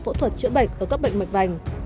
cả phẫu thuật chữa bệnh ở các bệnh mạch bành